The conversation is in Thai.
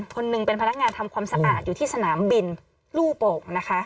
คนหนึ่งเป็นพนักงานทำความสะอาดอยู่ที่สนามบินลู่โป่งนะคะ